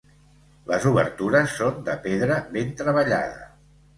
Les obertures són de pedra ben treballada.